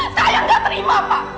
saya gak terima pak